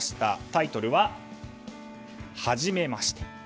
タイトルは「はじめまして。」